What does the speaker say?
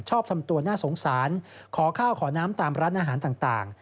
ทำตัวน่าสงสารขอข้าวขอน้ำตามร้านอาหารต่าง